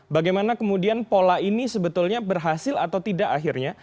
bagaimana kemudian pola ini sebetulnya berhasil atau tidak akhirnya